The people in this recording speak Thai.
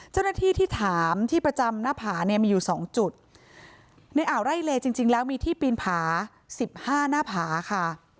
เจ้าหน้าที่ที่ถามที่ประจำหน้าผาเนี่ยมีอยู่สองจุดในอ่าวไร่เลจริงจริงแล้วมีที่ปีนผาสิบห้าหน้าผาค่ะ